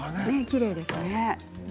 きれいですね。